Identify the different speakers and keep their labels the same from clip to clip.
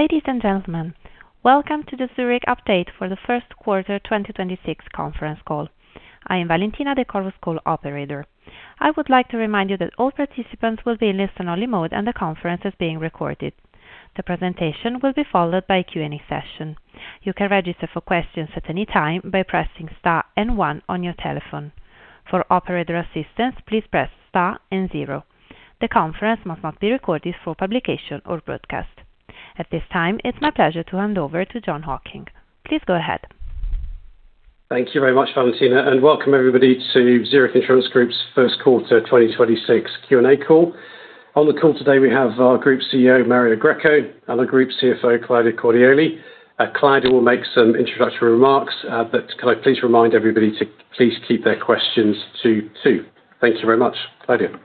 Speaker 1: Ladies and gentlemen, welcome to the Zurich update for the first quarter 2026 conference call. I am Valentina, the Chorus Call operator. I would like to remind you that all participants will be in listen-only mode and the conference is being recorded. The presentation will be followed by a Q&A session. You can register for questions at any time by pressing star and one on your telephone. For operator assistance, please press star and zero. The conference must not be recorded for publication or broadcast. At this time, it's my pleasure to hand over to Jon Hocking. Please go ahead.
Speaker 2: Thank you very much, Valentina, and welcome everybody to Zurich Insurance Group's first quarter 2026 Q&A call. On the call today we have our Group CEO, Mario Greco, and the Group CFO, Claudia Cordioli. Claudia will make some introductory remarks, but can I please remind everybody to please keep their questions to two. Thank you very much. Claudia?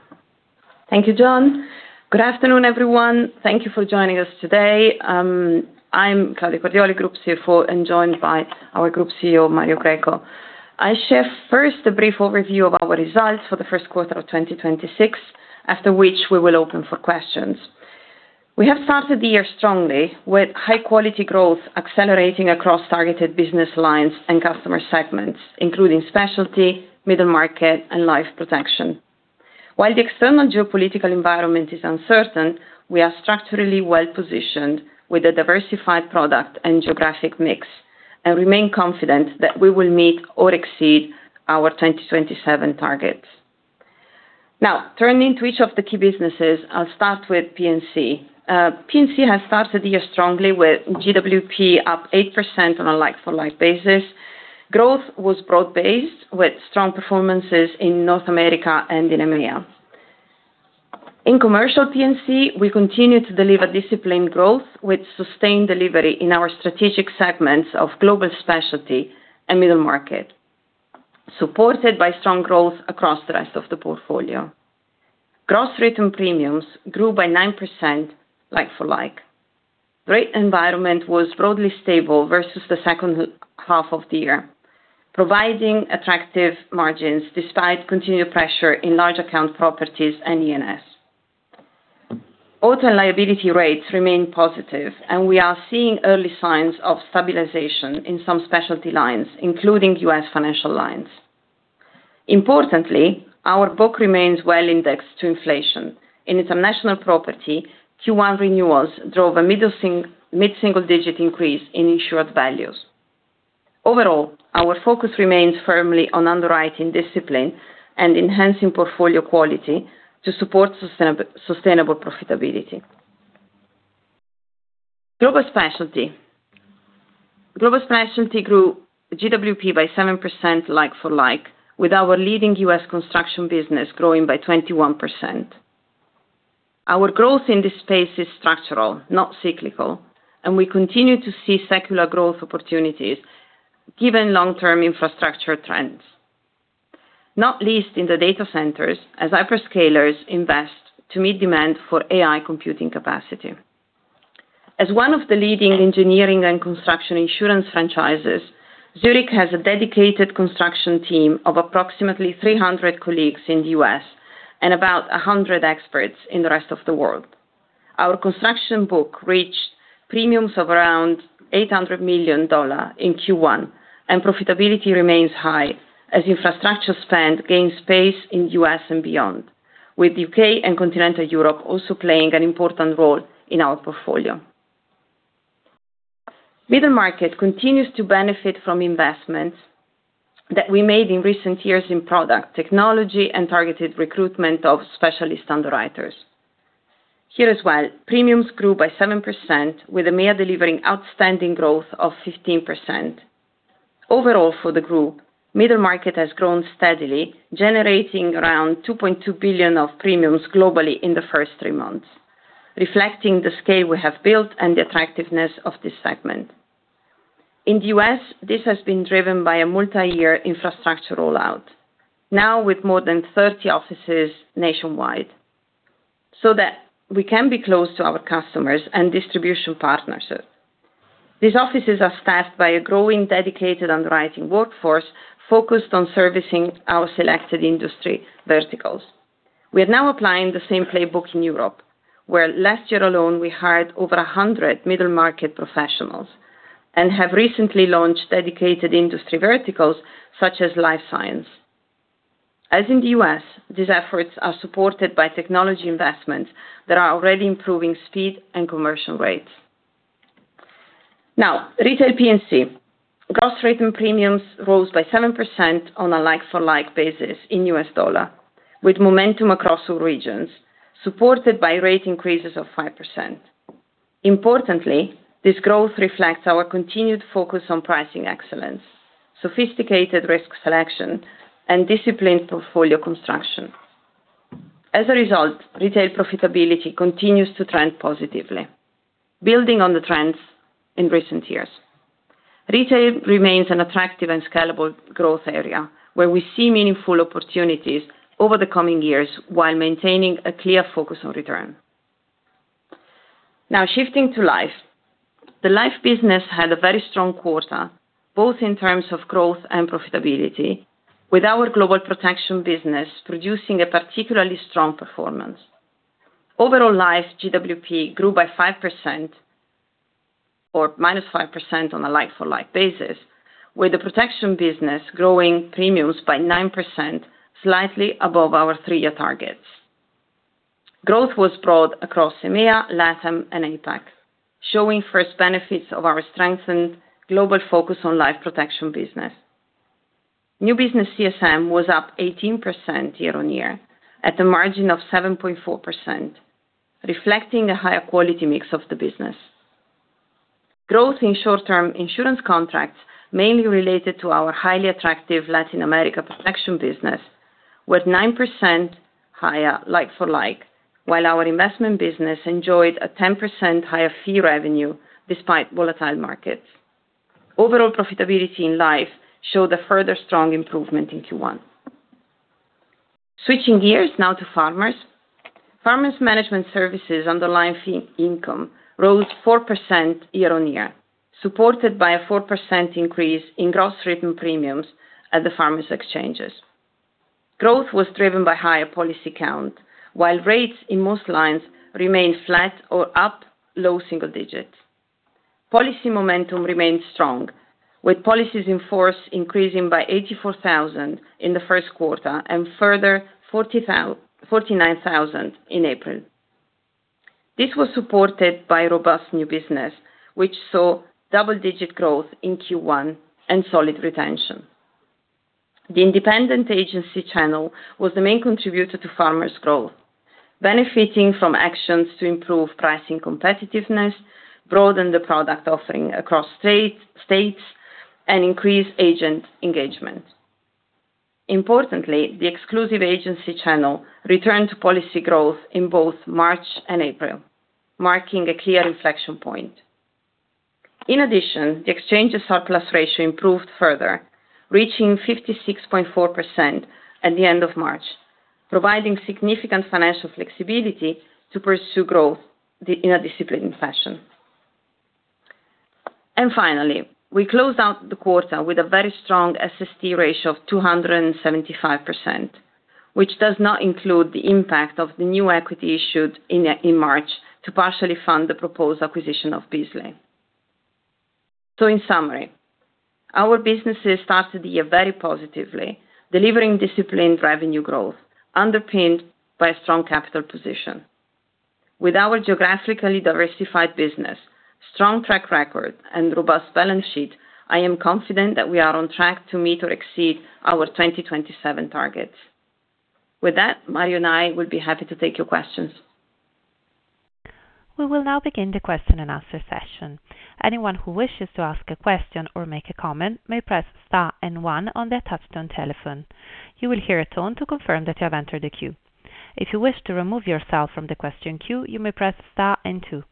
Speaker 3: Thank you, Jon. Good afternoon, everyone. Thank you for joining us today. I'm Claudia Cordioli, Group CFO, and joined by our Group CEO, Mario Greco. I share first a brief overview of our results for the first quarter of 2026, after which we will open for questions. We have started the year strongly with high quality growth accelerating across targeted business lines and customer segments, including Specialty, Middle Market, and Life Protection. While the external geopolitical environment is uncertain, we are structurally well-positioned with a diversified product and geographic mix, and remain confident that we will meet or exceed our 2027 targets. Now, turning to each of the key businesses, I'll start with P&C. P&C has started the year strongly with GWP up 8% on a like-for-like basis. Growth was broad-based with strong performances in North America and in EMEA. In Commercial P&C, we continue to deliver disciplined growth with sustained delivery in our strategic segments of Global Specialty and Middle Market, supported by strong growth across the rest of the portfolio. Gross written premiums grew by 9% like for like. Rate environment was broadly stable versus the second half of the year, providing attractive margins despite continued pressure in large account properties and E&S. Auto liability rates remain positive, and we are seeing early signs of stabilization in some specialty lines, including U.S. financial lines. Importantly, our book remains well indexed to inflation. In international property, Q1 renewals drove a mid-single digit increase in insured values. Overall, our focus remains firmly on underwriting discipline and enhancing portfolio quality to support sustainable profitability. Global Specialty. Global Specialty grew GWP by 7% like for like, with our leading U.S. construction business growing by 21%. Our growth in this space is structural, not cyclical. We continue to see secular growth opportunities given long-term infrastructure trends, not least in the data centers as hyperscalers invest to meet demand for AI computing capacity. As one of the leading engineering and construction insurance franchises, Zurich has a dedicated construction team of approximately 300 colleagues in the U.S. and about 100 experts in the rest of the world. Our construction book reached premiums of around $800 million in Q1. Profitability remains high as infrastructure spend gains pace in U.S. and beyond, with U.K. and continental Europe also playing an important role in our portfolio. Middle Market continues to benefit from investments that we made in recent years in product, technology, and targeted recruitment of specialist underwriters. Here as well, premiums grew by 7%, with EMEA delivering outstanding growth of 15%. Overall for the Group, Middle Market has grown steadily, generating around $2.2 billion of premiums globally in the first three months, reflecting the scale we have built and the attractiveness of this segment. In the U.S., this has been driven by a multi-year infrastructure rollout, now with more than 30 offices nationwide, so that we can be close to our customers and distribution partners. These offices are staffed by a growing, dedicated underwriting workforce focused on servicing our selected industry verticals. We are now applying the same playbook in Europe, where last year alone we hired over 100 middle market professionals and have recently launched dedicated industry verticals such as life science. As in the U.S., these efforts are supported by technology investments that are already improving speed and commercial rates. Retail P&C. Gross written premiums rose by 7% on a like-for-like basis in U.S. dollar, with momentum across all regions, supported by rate increases of 5%. Importantly, this growth reflects our continued focus on pricing excellence, sophisticated risk selection, and disciplined portfolio construction. As a result, retail profitability continues to trend positively, building on the trends in recent years. Retail remains an attractive and scalable growth area where we see meaningful opportunities over the coming years while maintaining a clear focus on return. Now shifting to Life. The Life business had a very strong quarter, both in terms of growth and profitability. With our global protection business producing a particularly strong performance. Overall Life GWP grew by 5%, or -5% on a like-for-like basis, with the protection business growing premiums by 9% slightly above our three-year targets. Growth was broad across EMEA, LATAM, and APAC, showing first benefits of our strengthened global focus on life protection business. New business CSM was up 18% year-on-year at a margin of 7.4%, reflecting a higher quality mix of the business. Growth in short-term insurance contracts mainly related to our highly attractive Latin America protection business, was 9% higher like for like. While our investment business enjoyed a 10% higher fee revenue despite volatile markets. Overall profitability in Life showed a further strong improvement in Q1. Switching gears now to Farmers. Farmers Management Services underlying fee income rose 4% year-on-year, supported by a 4% increase in gross written premiums at the Farmers Exchanges. Growth was driven by higher policy count, while rates in most lines remained flat or up low single digits. Policy momentum remained strong, with policies in force increasing by 84,000 in the first quarter and further 49,000 in April. This was supported by robust new business, which saw double-digit growth in Q1 and solid retention. The independent agency channel was the main contributor to Farmers growth, benefiting from actions to improve pricing competitiveness, broaden the product offering across states and increase agent engagement. Importantly, the exclusive agency channel returned to policy growth in both March and April, marking a clear inflection point. In addition, the exchange surplus ratio improved further, reaching 56.4% at the end of March, providing significant financial flexibility to pursue growth in a disciplined fashion. Finally, we closed out the quarter with a very strong SST ratio of 275%, which does not include the impact of the new equity issued in March to partially fund the proposed acquisition of Beazley. In summary, our businesses started the year very positively, delivering disciplined revenue growth underpinned by a strong capital position. With our geographically diversified business, strong track record and robust balance sheet, I am confident that we are on track to meet or exceed our 2027 targets. With that, Mario and I will be happy to take your questions.
Speaker 1: We will now begin the question-and-answer session. Anyone who wishes to ask a question or make a comment may press star and one on their touch-tone telephone. You will hear a tone to confirm you have entered the queue. If you wish to remove yourself from the question queue, you may press star and two.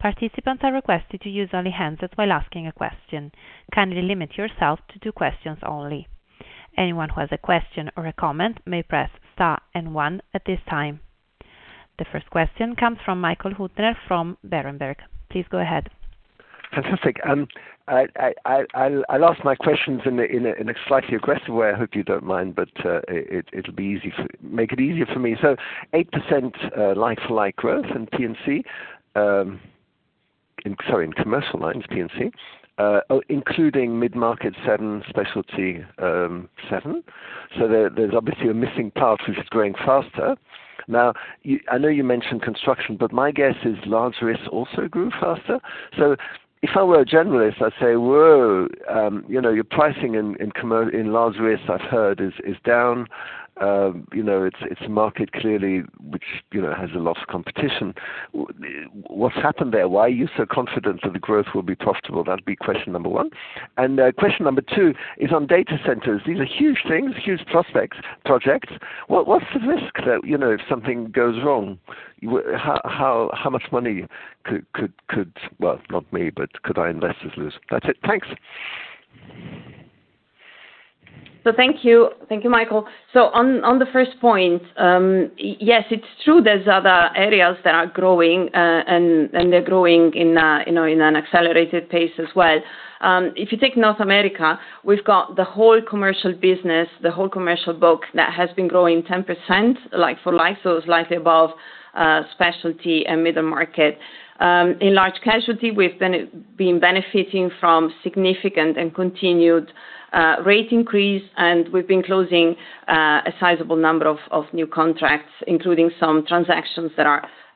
Speaker 1: Participants are requested to use only handset while asking a question. Kindly limit yourself to two questions only. Anyone who has a question or a comment may press star and one at this time. The first question comes from Michael Huttner from Berenberg. Please go ahead.
Speaker 4: Fantastic. I'll ask my questions in a slightly aggressive way. I hope you don't mind, but it'll make it easier for me. So 8% like-for-like growth in P&C, in commercial lines P&C. Including mid-market 7%, specialty, 7%. There's obviously a missing part which is growing faster. I know you mentioned construction, but my guess is large risks also grew faster. If I were a generalist, I'd say, "Whoa, you know, your pricing in large risks I've heard is down." You know, it's a market clearly which, you know, has a lot of competition. What's happened there? Why are you so confident that the growth will be profitable? That'd be question number one. Question number two is on data centers. These are huge things, huge projects. What's the risk that, you know, if something goes wrong, how much money could, well, not me, but could our investors lose? That's it. Thanks.
Speaker 3: Thank you. Thank you, Michael. On, on the first point, yes, it's true there's other areas that are growing, and they're growing in, you know, in an accelerated pace as well. If you take North America, we've got the whole commercial business, the whole commercial book that has been growing 10% like for like, so it's slightly above Specialty and Middle Market. In large Casualty, we've been benefiting from significant and continued rate increase, and we've been closing a sizable number of new contracts, including some transactions that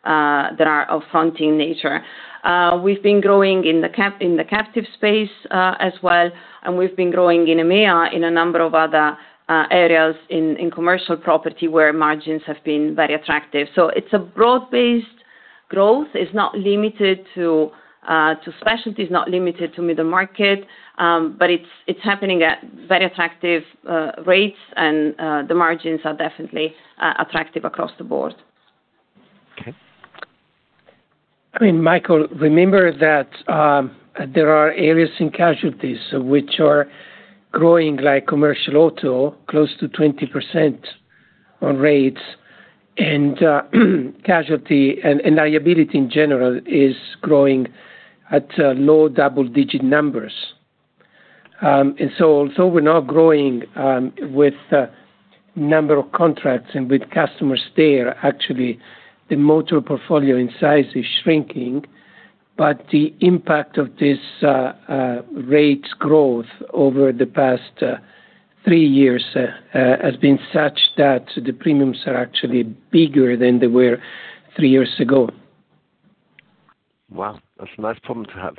Speaker 3: are of fronting nature. We've been growing in the captive space as well, and we've been growing in EMEA in a number of other areas in commercial property where margins have been very attractive. It's a broad-based growth. It's not limited to specialties, not limited to middle market. But it's happening at very attractive rates and the margins are definitely attractive across the board.
Speaker 4: Okay.
Speaker 5: I mean, Michael, remember that there are areas in casualties which are growing like commercial auto close to 20% on rates. Casualty and liability in general is growing at low double-digit numbers. Although we're now growing with number of contracts and with customers there, actually the motor portfolio in size is shrinking. The impact of this rates growth over the past three years has been such that the premiums are actually bigger than they were three years ago.
Speaker 4: Wow. That's a nice problem to have.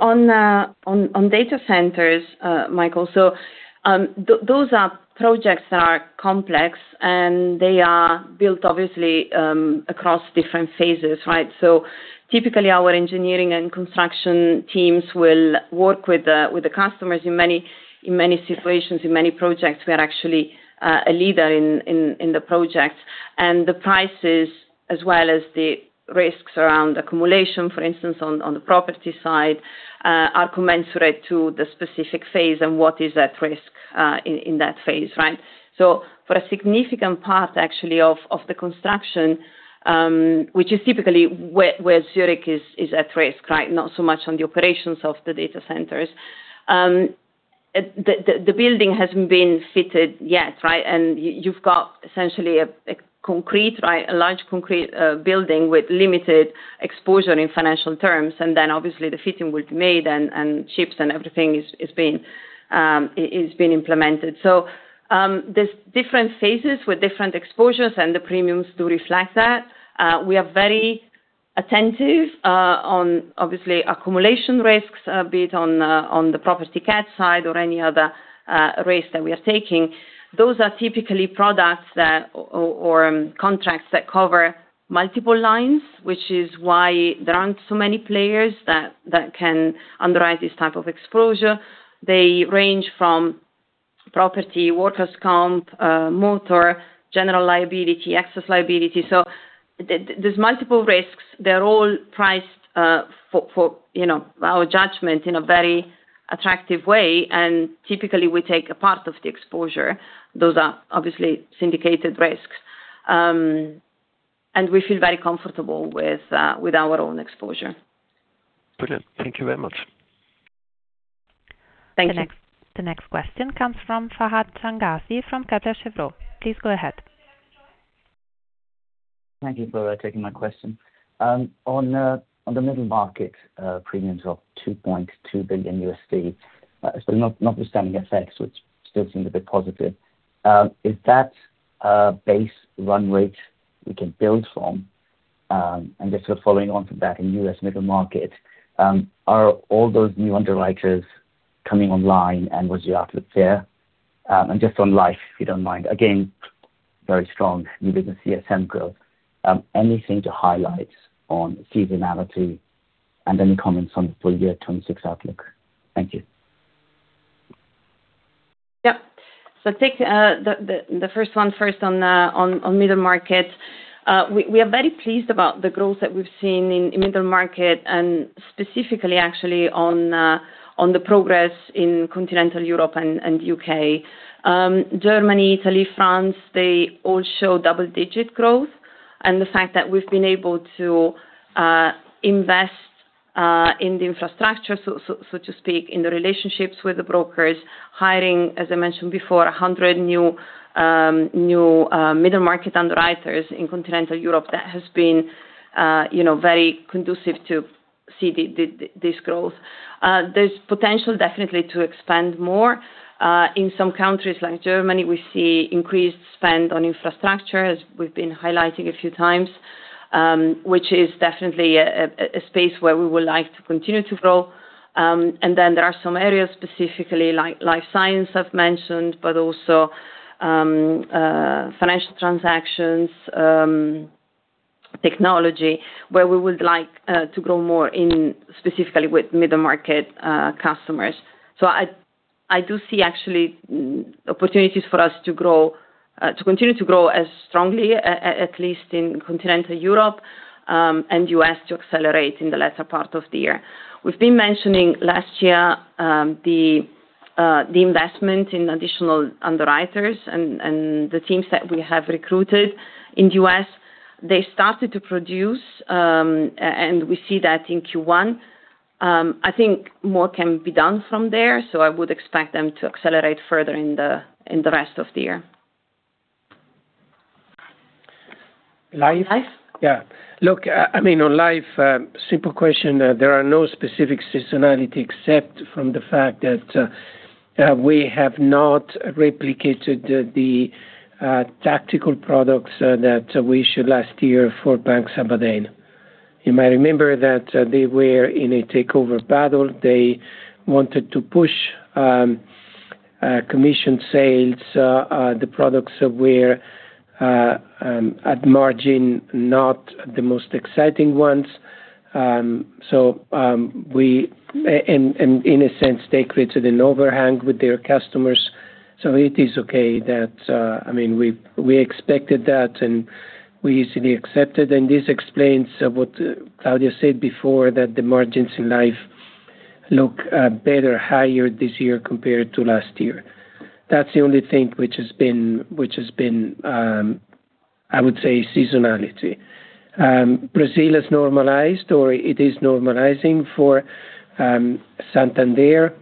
Speaker 3: On data centers, Michael, those are projects that are complex, and they are built obviously across different phases, right? Typically, our engineering and construction teams will work with the customers in many situations. In many projects, we are actually a leader in the project. The prices as well as the risks around accumulation, for instance, on the property side, are commensurate to the specific phase and what is at risk in that phase, right? For a significant part actually of the construction, which is typically where Zurich is at risk, right? Not so much on the operations of the data centers. The building hasn't been fitted yet, right? You've got essentially a concrete, right, a large concrete building with limited exposure in financial terms. Then obviously the fitting will be made and chips and everything is being implemented. There's different phases with different exposures and the premiums do reflect that. We are very attentive on obviously accumulation risks, be it on the property cat side or any other risk that we are taking. Those are typically products or contracts that cover multiple lines, which is why there aren't so many players that can underwrite this type of exposure. They range from property, workers' comp, motor, general liability, excess liability. There's multiple risks. They're all priced for, you know, our judgment in a very attractive way, and typically we take a part of the exposure. Those are obviously syndicated risks. We feel very comfortable with our own exposure.
Speaker 4: Brilliant. Thank you very much.
Speaker 3: Thank you.
Speaker 1: The next question comes from Fahad Changazi from Kepler Cheuvreux. Please go ahead.
Speaker 6: Thank you for taking my question. On the Middle Market premiums of $2.2 billion, notwithstanding FX, which still seems a bit positive, is that a base run rate we can build from, and just sort of following on from that in U.S. Middle Market, are all those new underwriters coming online and was the outlook fair? Just on Life, if you don't mind. Again, very strong new business CSM growth. Anything to highlight on seasonality and any comments on full-year 2026 outlook? Thank you.
Speaker 3: Take the first one on Middle Market. We are very pleased about the growth that we've seen in Middle Market and specifically actually on the progress in continental Europe and U.K. Germany, Italy, France, they all show double-digit growth. The fact that we've been able to invest in the infrastructure, so to speak, in the relationships with the brokers, hiring, as I mentioned before, 100 new middle market underwriters in continental Europe, that has been, you know, very conducive to see this growth. There's potential definitely to expand more. In some countries like Germany, we see increased spend on infrastructure, as we've been highlighting a few times, which is definitely a space where we would like to continue to grow. Then there are some areas specifically like life science I've mentioned, but also financial transactions, technology, where we would like to grow more in specifically with middle market customers. I do see actually opportunities for us to grow, to continue to grow as strongly, at least in continental Europe, and U.S. to accelerate in the latter part of the year. We've been mentioning last year, the investment in additional underwriters and the teams that we have recruited in U.S. They started to produce, and we see that in Q1. I think more can be done from there, so I would expect them to accelerate further in the rest of the year.
Speaker 5: Life?
Speaker 3: Life?
Speaker 5: Yeah. Look, I mean, on Life, simple question. There are no specific seasonality except from the fact that we have not replicated the tactical products that we issued last year for Banco Sabadell. You might remember that they were in a takeover battle. They wanted to push commission sales. The products were at margin, not the most exciting ones. In a sense, they created an overhang with their customers. It is okay that, I mean, we expected that. We easily accepted, and this explains what Claudia said before, that the margins in Life look better, higher this year compared to last year. That's the only thing which has been, I would say seasonality. Brazil has normalized, or it is normalizing for Santander.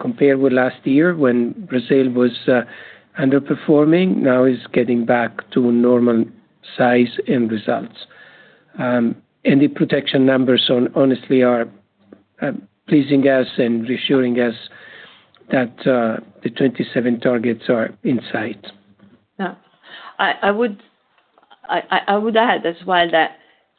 Speaker 5: Compared with last year when Brazil was underperforming, now is getting back to normal size and results. The protection numbers honestly are pleasing us and reassuring us that the 2027 targets are in sight.
Speaker 3: Yeah. I would add as well that,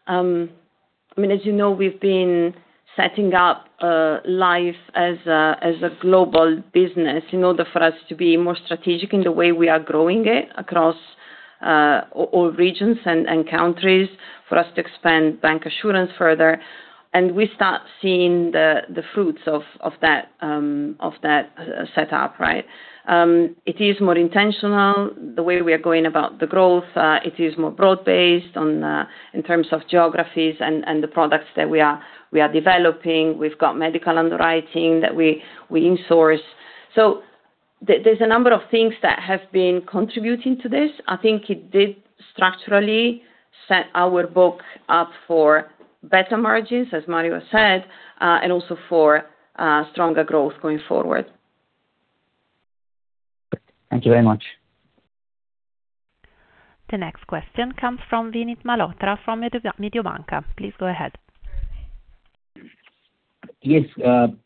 Speaker 3: I mean, as you know, we've been setting up Life as a global business in order for us to be more strategic in the way we are growing it across all regions and countries, for us to expand bancassurance further. We start seeing the fruits of that setup, right? It is more intentional the way we are going about the growth. It is more broad-based on in terms of geographies and the products that we are developing. We've got medical underwriting that we insource. There's a number of things that have been contributing to this. I think it did structurally set our book up for better margins, as Mario said, and also for stronger growth going forward.
Speaker 6: Thank you very much.
Speaker 1: The next question comes from Vinit Malhotra from Mediobanca. Please go ahead.
Speaker 7: Yes.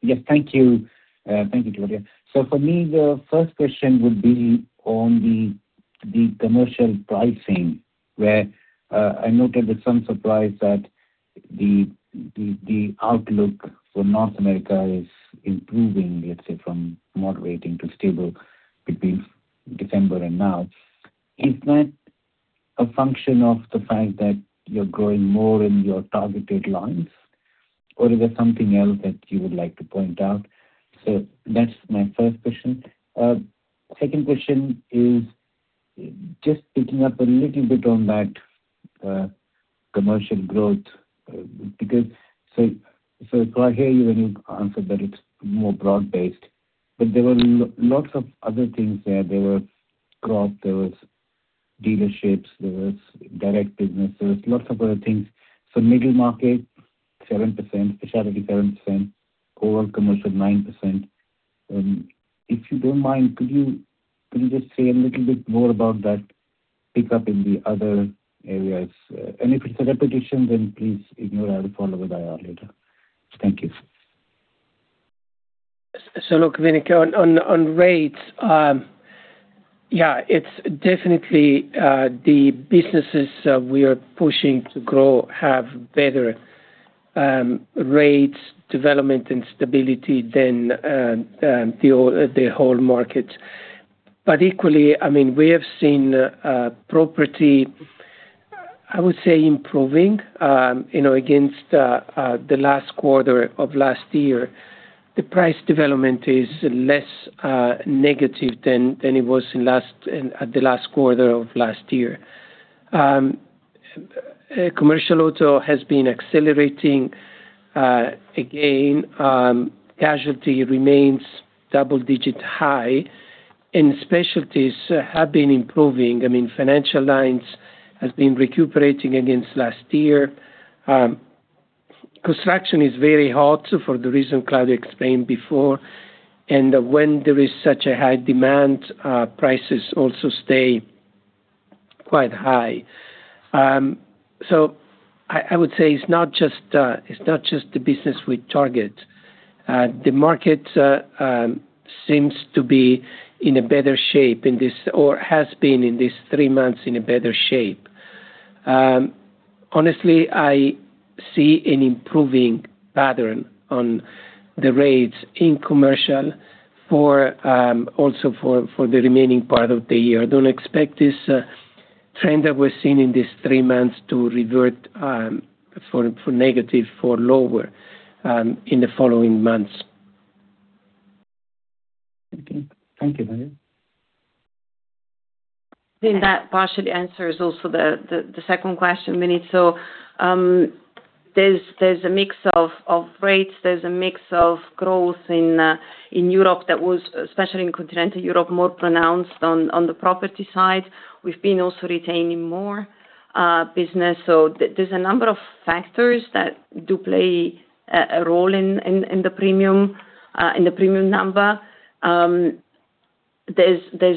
Speaker 7: Yes, thank you. Thank you, Claudia. For me, the first question would be on the commercial pricing, where I noted with some surprise that the outlook for North America is improving, let’s say, from moderating to stable between December and now. Is that a function of the fact that you’re growing more in your targeted lines, or is there something else that you would like to point out? That’s my first question. Second question is just picking up a little bit on that commercial growth. I hear you when you answer that it’s more broad based, but there were lots of other things there. There were growth, there was dealerships, there was direct business, there was lots of other things. Middle Market, 7%, Casualty, 7%, overall Commercial, 9%. If you don't mind, could you just say a little bit more about that pick-up in the other areas? If it's a repetition, then please ignore. I'll follow with IR later. Thank you.
Speaker 5: Look, Vinit, on rates, yeah, it's definitely the businesses we are pushing to grow have better rates, development, and stability than the whole market. Equally, I mean, we have seen property, I would say, improving, you know, against the last quarter of last year. The price development is less negative than it was at the last quarter of last year. Commercial auto has been accelerating again. Casualty remains double-digit high, and specialties have been improving. I mean, financial lines has been recuperating against last year. Construction is very hard for the reason Claudia explained before. When there is such a high demand, prices also stay quite high. I would say it's not just the business we target. The market seems to be in a better shape in this or has been in these three months in a better shape. Honestly, I see an improving pattern on the rates in commercial for also for the remaining part of the year. I don't expect this trend that we're seeing in these three months to revert for negative, for lower in the following months.
Speaker 7: Okay. Thank you, Mario.
Speaker 3: That partially answers also the second question, Vinit. There's a mix of rates, there's a mix of growth in Europe that was especially in continental Europe, more pronounced on the property side. We've been also retaining more business. There's a number of factors that do play a role in the premium, in the premium number. There's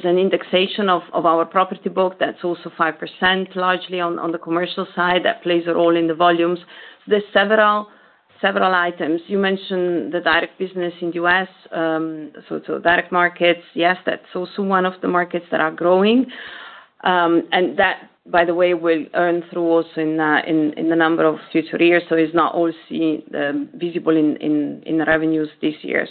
Speaker 3: an indexation of our property book that's also 5%, largely on the commercial side that plays a role in the volumes. There's several items. You mentioned the direct business in U.S., so direct markets. Yes, that's also one of the markets that are growing. That, by the way, will earn through also in a number of future years, so it's not all seen visible in revenues this year.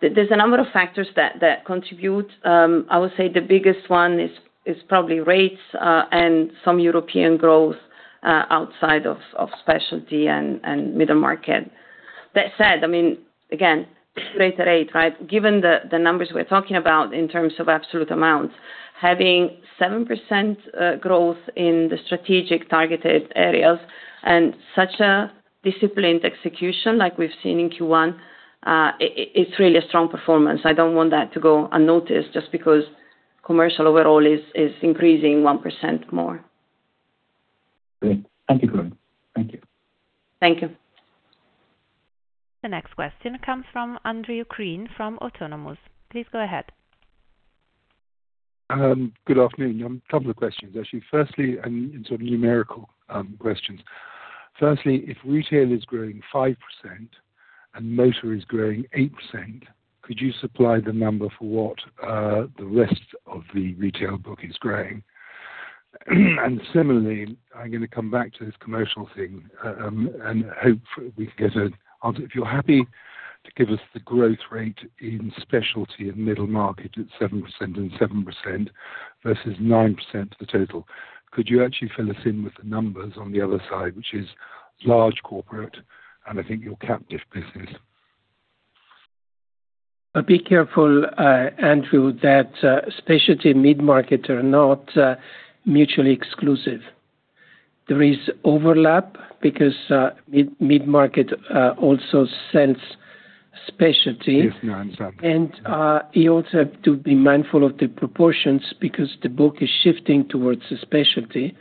Speaker 3: There's a number of factors that contribute. I would say the biggest one is probably rates and some European growth outside of Global Specialty and Middle Market. That said, I mean, again, rate at 8, right? Given the numbers we're talking about in terms of absolute amounts, having 7% growth in the strategic targeted areas and such a disciplined execution like we've seen in Q1, it's really a strong performance. I don't want that to go unnoticed just because Commercial overall is increasing 1% more.
Speaker 7: Great. Thank you, Claudia. Thank you.
Speaker 3: Thank you.
Speaker 1: The next question comes from Andrew Crean from Autonomous. Please go ahead.
Speaker 8: Good afternoon. A couple of questions, actually. Firstly, and in sort of numerical questions. Firstly, if retail is growing 5% and motor is growing 8%, could you supply the number for what the rest of the retail book is growing? Similarly, I'm gonna come back to this commercial thing and hope we can get an answer. If you're happy to give us the growth rate in specialty and middle market at 7% and 7% versus 9% for the total, could you actually fill us in with the numbers on the other side, which is large corporate, and I think your captive business.
Speaker 5: Be careful, Andrew, that specialty mid-market are not mutually exclusive. There is overlap because mid-market also sells specialty.
Speaker 8: Yes, 9%.
Speaker 5: You also have to be mindful of the proportions because the book is shifting towards the specialty,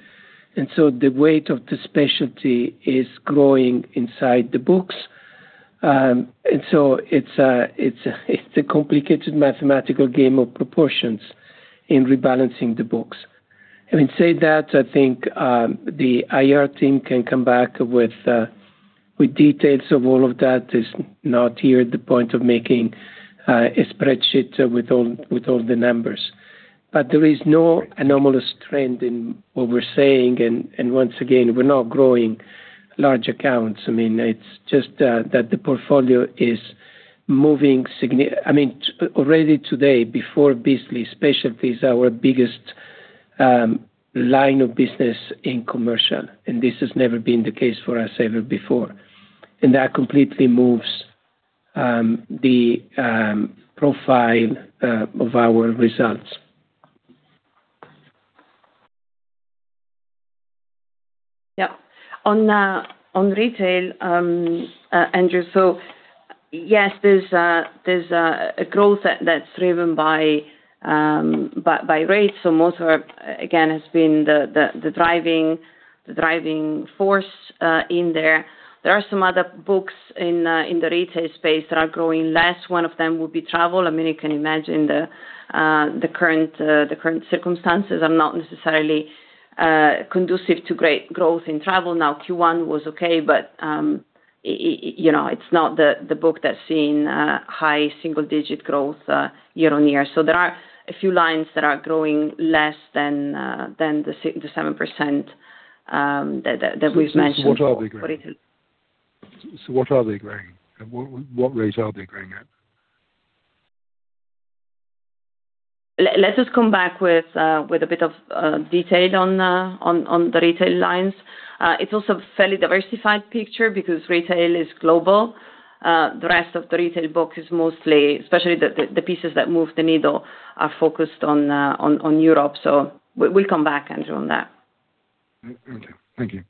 Speaker 5: the weight of the specialty is growing inside the books. It's a complicated mathematical game of proportions in rebalancing the books. Having said that, I think the IR team can come back with details of all of that. It's not here the point of making a spreadsheet with all the numbers. There is no anomalous trend in what we're saying and once again, we're not growing large accounts. I mean, it's just that the portfolio is moving. I mean, already today, before Beazley, specialty is our biggest line of business in commercial, this has never been the case for us ever before. That completely moves the profile of our results.
Speaker 3: Yeah. On retail, Andrew, yes, there's a growth that's driven by rates. Motor, again, has been the driving force in there. There are some other books in the retail space that are growing less. One of them would be travel. I mean, you can imagine the current circumstances are not necessarily conducive to great growth in travel. Now, Q1 was okay, but it, you know, it's not the book that's seen high single-digit growth year-on-year. There are a few lines that are growing less than the 7% that we've mentioned for retail.
Speaker 8: What are they growing? What rates are they growing at?
Speaker 3: Let's just come back with a bit of detail on the retail lines. It's also a fairly diversified picture because retail is global. The rest of the retail book is mostly, especially the pieces that move the needle are focused on Europe. We'll come back, Andrew, on that.
Speaker 8: Okay. Thank you.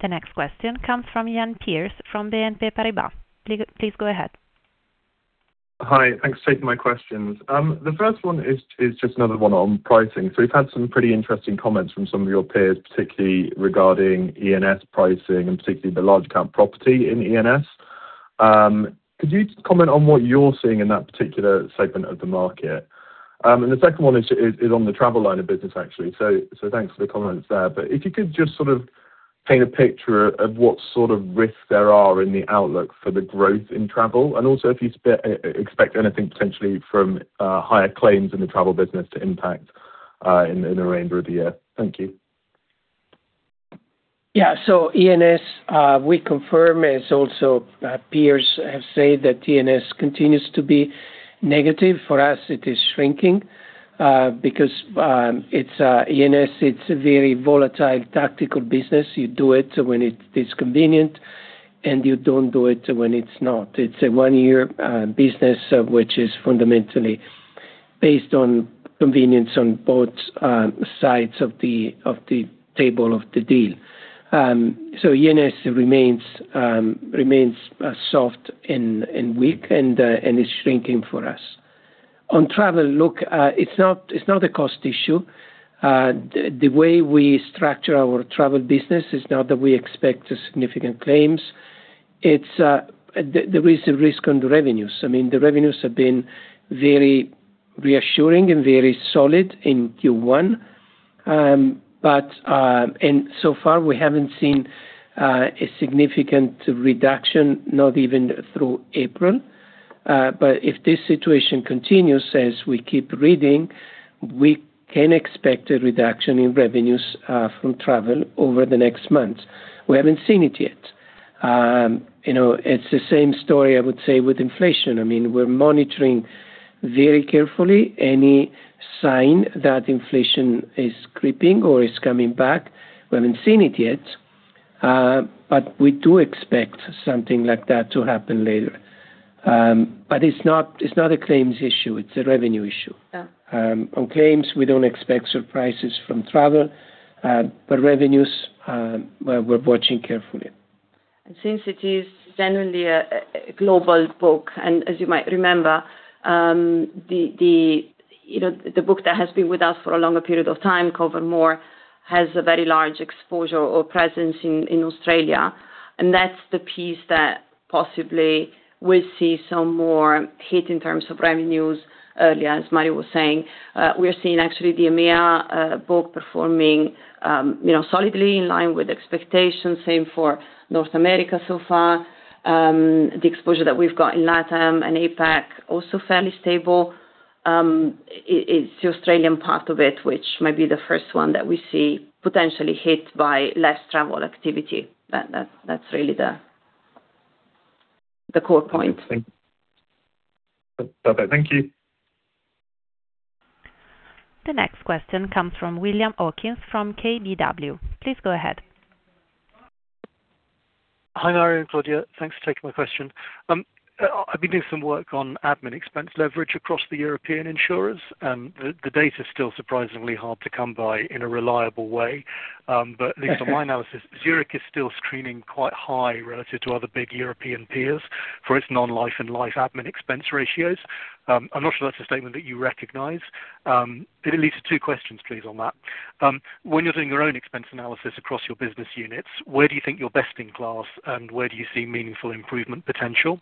Speaker 1: The next question comes from Iain Pearce from BNP Paribas. Please go ahead.
Speaker 9: Hi. Thanks for taking my questions. The first one is just another one on pricing. We've had some pretty interesting comments from some of your peers, particularly regarding E&S pricing and particularly the large account property in E&S. Could you comment on what you're seeing in that particular segment of the market? The second one is on the travel line of business, actually. Thanks for the comments there. If you could just sort of paint a picture of what sort of risks there are in the outlook for the growth in travel, and also if you expect anything potentially from higher claims in the travel business to impact in the remainder of the year. Thank you.
Speaker 5: Yeah. E&S, we confirm, as also our peers have said, that E&S continues to be negative. For us, it is shrinking, because it's, E&S, it's a very volatile tactical business. You do it when it is convenient, and you don't do it when it's not. It's a one-year business, which is fundamentally based on convenience on both sides of the, of the table of the deal. E&S remains soft and weak and is shrinking for us. On travel, look, it's not, it's not a cost issue. The way we structure our travel business is not that we expect significant claims. It's, there is a risk on the revenues. I mean, the revenues have been very reassuring and very solid in Q1. So far, we haven't seen a significant reduction, not even through April. If this situation continues as we keep reading, we can expect a reduction in revenues from travel over the next months. We haven't seen it yet. You know, it's the same story, I would say, with inflation. I mean, we're monitoring very carefully any sign that inflation is creeping or is coming back. We haven't seen it yet, but we do expect something like that to happen later. It's not, it's not a claims issue, it's a revenue issue. On claims, we don't expect surprises from travel, but revenues, we're watching carefully.
Speaker 3: Since it is generally a global book and as you might remember, the, you know, the book that has been with us for a longer period of time, Cover-More, has a very large exposure or presence in Australia, and that's the piece that possibly will see some more hit in terms of revenues earlier, as Mario was saying. We are seeing actually the EMEA book performing, you know, solidly in line with expectations. Same for North America so far. The exposure that we've got in LATAM and APAC also fairly stable. It's the Australian part of it, which may be the first one that we see potentially hit by less travel activity. That's really the core point.
Speaker 9: Okay. Thank you.
Speaker 1: The next question comes from William Hawkins from KBW. Please go ahead.
Speaker 10: Hi, Mario and Claudia. Thanks for taking my question. I've been doing some work on admin expense leverage across the European insurers, the data's still surprisingly hard to come by in a reliable way. Based on my analysis, Zurich is still screening quite high relative to other big European peers for its non-life and life admin expense ratios. I'm not sure that's a statement that you recognize. It leads to two questions, please, on that. When you're doing your own expense analysis across your business units, where do you think you're best in class, and where do you see meaningful improvement potential?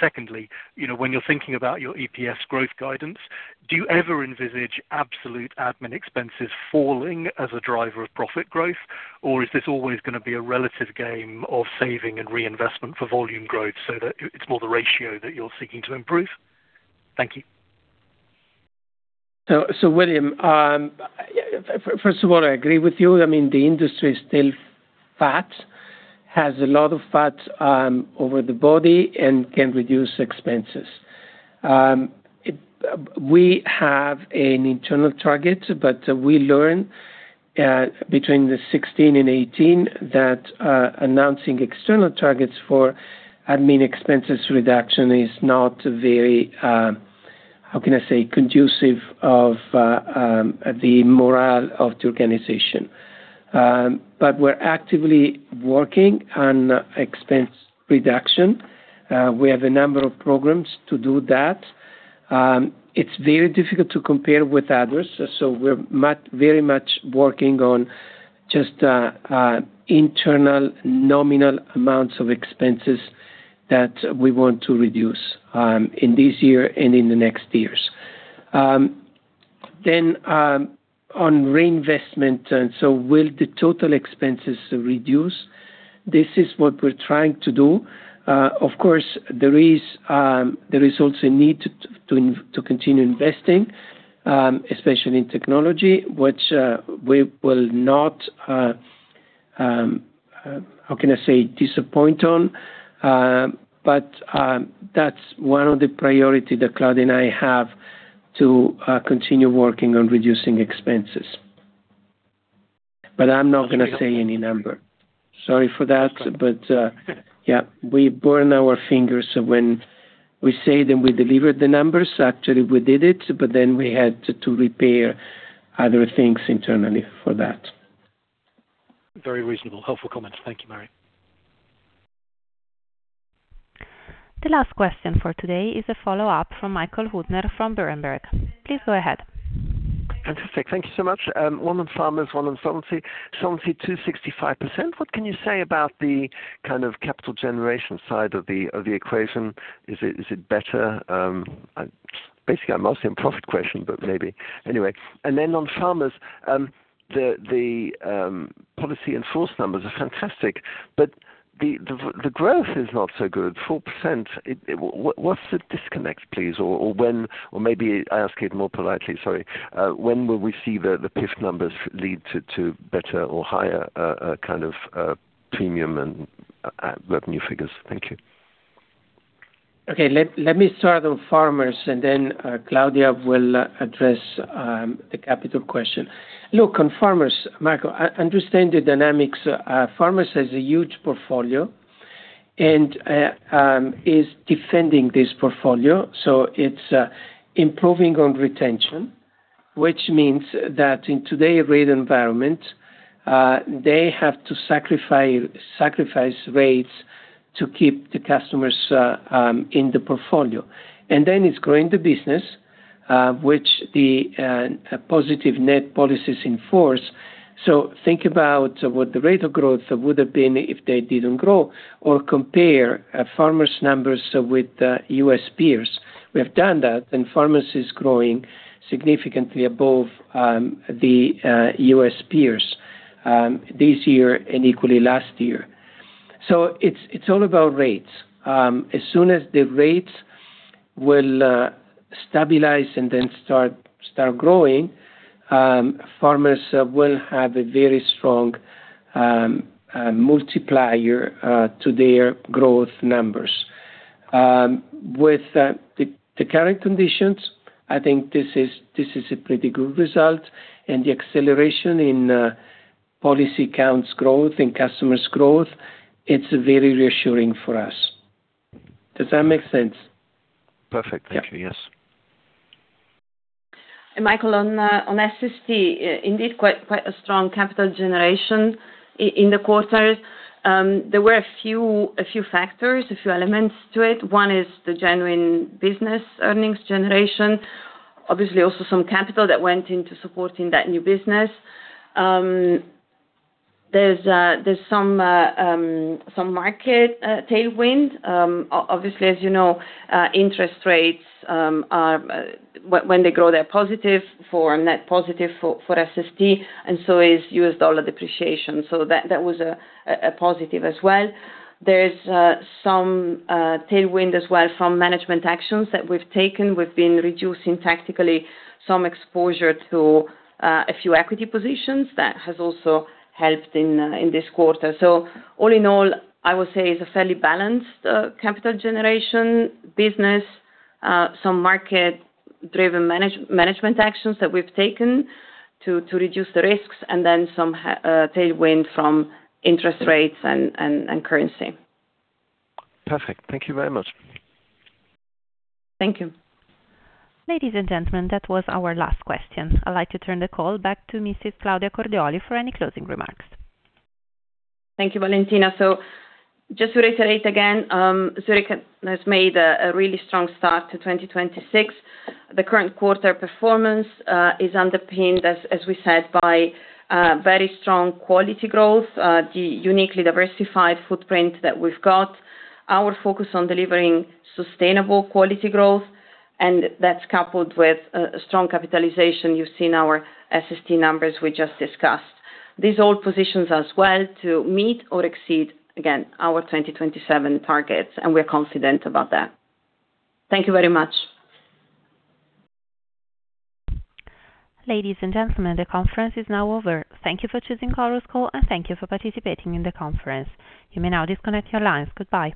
Speaker 10: Secondly, you know, when you're thinking about your EPS growth guidance, do you ever envisage absolute admin expenses falling as a driver of profit growth, or is this always gonna be a relative game of saving and reinvestment for volume growth so that it's more the ratio that you're seeking to improve? Thank you.
Speaker 5: William, first of all, I agree with you. I mean, the industry is still fat, has a lot of fat over the body and can reduce expenses. We have an internal target, but we learn between the 2016 and 2018 that announcing external targets for admin expenses reduction is not very, how can I say, conducive of the morale of the organization. But we're actively working on expense reduction. We have a number of programs to do that. It's very difficult to compare with others, so we're very much working on just internal nominal amounts of expenses that we want to reduce in this year and in the next years. On reinvestment, will the total expenses reduce? This is what we're trying to do. Of course, there is, there is also a need to continue investing, especially in technology, which we will not, how can I say, disappoint on. That's one of the priority that Claudia and I have to continue working on reducing expenses. I'm not gonna say any number. Sorry for that.
Speaker 10: That's fine.
Speaker 5: Yeah, we burn our fingers when we say then we deliver the numbers. Actually, we did it, but then we had to repair other things internally for that.
Speaker 10: Very reasonable. Helpful comments. Thank you, Mario.
Speaker 1: The last question for today is a follow-up from Michael Huttner from Berenberg. Please go ahead.
Speaker 4: Fantastic. Thank you so much. One on Farmers, one on solvency. Solvency 265%, what can you say about the kind of capital generation side of the equation? Is it better? Basically, I'm asking a profit question, but maybe. Anyway, then on Farmers, the policy in force numbers are fantastic, but the growth is not so good, 4%. What's the disconnect, please? Maybe I ask it more politely, sorry. When will we see the PIF numbers lead to better or higher kind of premium and revenue figures? Thank you.
Speaker 5: Okay. Let me start on Farmers. Claudia will address the capital question. Look, on Farmers, Michael, understand the dynamics. Farmers has a huge portfolio and is defending this portfolio, so it's improving on retention, which means that in today's rate environment, they have to sacrifice rates to keep the customers in the portfolio. It's growing the business, which the positive net policies enforce. Think about what the rate of growth would have been if they didn't grow or compare Farmers' numbers with U.S. peers. We have done that. Farmers is growing significantly above the U.S. peers this year and equally last year. It's all about rates. As soon as the rates will stabilize and then start growing, Farmers will have a very strong multiplier to their growth numbers. With the current conditions, I think this is a pretty good result, and the acceleration in policy counts growth and customers growth, it's very reassuring for us. Does that make sense?
Speaker 4: Perfect. Thank you. Yes.
Speaker 3: Michael, on SST, indeed quite a strong capital generation in the quarter. There were a few factors, a few elements to it. One is the genuine business earnings generation. Obviously, also some capital that went into supporting that new business. There's some market tailwind. Obviously, as you know, interest rates, when they grow, they're positive for a net positive for SST and so is U.S. dollar depreciation. That was a positive as well. There's some tailwind as well from management actions that we've taken. We've been reducing tactically some exposure to a few equity positions that has also helped in this quarter. All in all, I would say it's a fairly balanced capital generation business. Some market-driven management actions that we've taken to reduce the risks and then some tailwind from interest rates and currency.
Speaker 4: Perfect. Thank you very much.
Speaker 3: Thank you.
Speaker 1: Ladies and gentlemen, that was our last question. I'd like to turn the call back to Mrs. Claudia Cordioli for any closing remarks.
Speaker 3: Thank you, Valentina. Just to reiterate again, Zurich has made a really strong start to 2026. The current quarter performance is underpinned, as we said, by very strong quality growth, the uniquely diversified footprint that we've got, our focus on delivering sustainable quality growth, and that's coupled with strong capitalization. You've seen our SST numbers we just discussed. This all positions us well to meet or exceed again our 2027 targets. We're confident about that. Thank you very much.
Speaker 1: Ladies and gentlemen, the conference is now over. Thank you for choosing Chorus Call, and thank you for participating in the conference. You may now disconnect your lines. Goodbye.